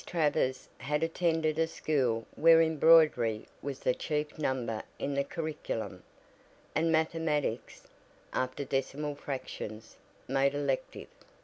Travers had attended a school where embroidery was the chief number in the curriculum, and mathematics (after decimal fractions) made elective.